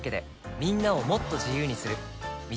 みんなをもっと自由にする「三菱冷蔵庫」